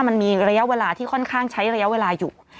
มันมีระยะเวลาที่ค่อนข้างใช้ระยะเวลาอยู่